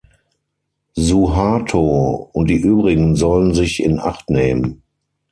Suharto und die übrigen sollen sich in acht nehmen.